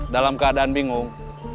dalam keadaan bingung